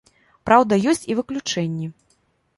Праўда, ёсць і выключэнні.